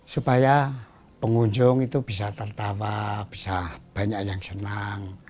supaya pengunjung itu bisa tertawa bisa banyak yang senang